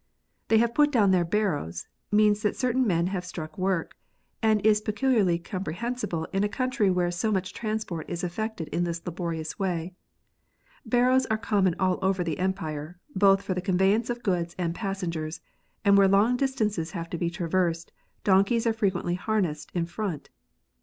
They have put doivn their harrows, means that certain men have struck work, and is peculiarly comprehensible in a country where so much transport is effected in this laborious way. Barrows are common all over the Empire, both for the conveyance of goods and passengers ; and where long distances have to be traversed, donkeys are frequently harnessed in front.